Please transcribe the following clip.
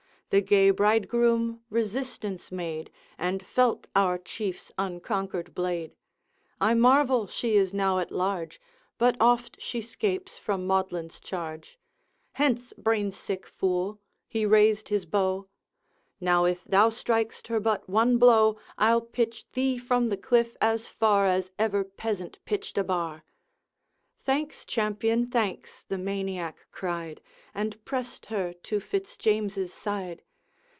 The gay bridegroom resistance made, And felt our Chief's unconquered blade. I marvel she is now at large, But oft she 'scapes from Maudlin's charge. Hence, brain sick fool!' He raised his bow: 'Now, if thou strik'st her but one blow, I'll pitch thee from the cliff as far As ever peasant pitched a bar!' 'Thanks, champion, thanks' the Maniac cried, And pressed her to Fitz James's side.